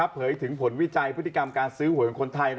เผยถึงผลวิจัยพฤติกรรมการซื้อหวยของคนไทย